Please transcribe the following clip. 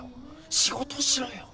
仕事しろよ！